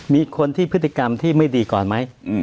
มีคนที่พฤติกรรมที่ไม่ดีก่อนไหม